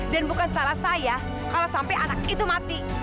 dan bukan salah saya kalau sampai anak itu mati